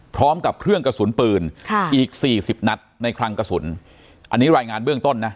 พร้อมกับเครื่องกระสุนปืนค่ะอีกสี่สิบนัดในคลังกระสุนอันนี้รายงานเบื้องต้นนะ